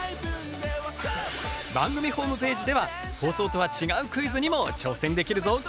番組ホームページでは放送とは違うクイズにも挑戦できるぞ。